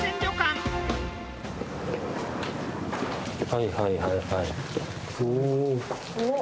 はいはいはいはい。